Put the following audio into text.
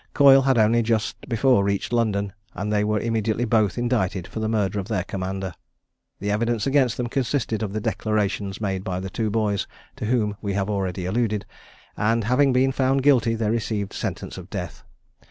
Coyle had only just before reached London, and they were immediately both indicted for the murder of their commander. The evidence against them consisted of the declarations made by the two boys, to whom we have already alluded; and having been found guilty, they received sentence of death.